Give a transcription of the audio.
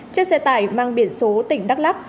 chiếc xe tải mang biển số tỉnh đắk lắk